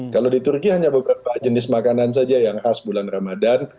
kalau di turki hanya beberapa jenis makanan saja yang khas bulan ramadhan